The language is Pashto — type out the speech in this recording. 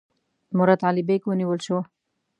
مراد علي بیګ ونیول شو.